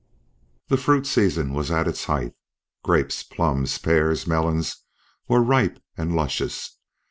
The fruit season was at its height. Grapes, plums, pears, melons were ripe and luscious.